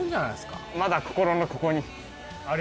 まだ心のここに。